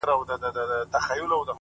• خره به هره ورځ ویل چي لویه خدایه ,